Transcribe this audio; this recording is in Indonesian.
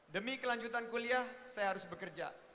demi kelanjutan kuliah saya harus bekerja